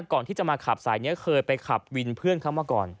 ก่อนที่จะมาขับสายนี้เคยไปขับวินเพื่อนเขามาก่อน